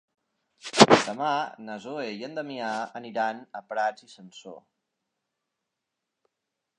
Demà na Zoè i en Damià aniran a Prats i Sansor.